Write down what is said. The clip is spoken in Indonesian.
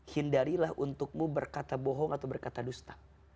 hindarilah untukmu berkata bohong atau berkata dusta